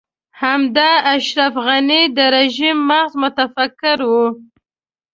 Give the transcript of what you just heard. همدا اشرف غني د رژيم مغز متفکر و.